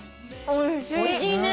おいしいね。